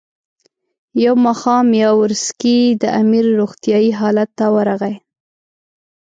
یو ماښام یاورسکي د امیر روغتیایي حالت ته ورغی.